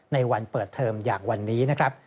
ในวันเปิดเทอมอย่างวันนี้นะครับ